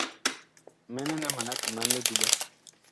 Mɛnɛ nɛ mana timan li duɓɛ.